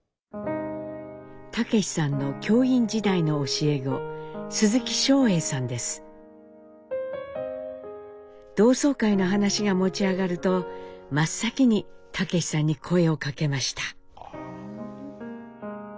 武さんの教員時代の教え子同窓会の話が持ち上がると真っ先に武さんに声をかけました。